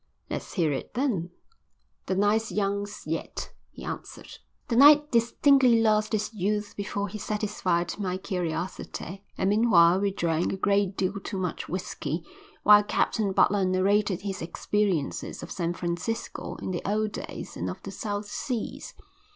"Let's hear it then." "The night's young yet," he answered. The night distinctly lost its youth before he satisfied my curiosity, and meanwhile we drank a great deal too much whisky while Captain Butler narrated his experiences of San Francisco in the old days and of the South Seas.